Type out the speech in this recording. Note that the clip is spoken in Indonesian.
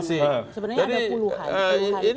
sebenarnya ada puluhan